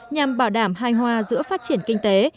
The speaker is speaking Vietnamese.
nhằm bảo đảm hai hoa giữa phát triển kinh tế